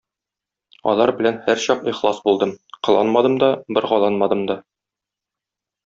Алар белән һәрчак ихлас булдым - кыланмадым да, боргаланмадым да.